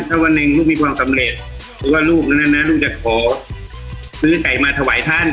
ถ้าวันหนึ่งลูกมีความสำเร็จเพราะว่าลูกนั้นนะลูกจะขอซื้อไก่มาถวายท่าน